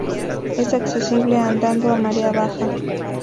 Es accesible andando a marea baja.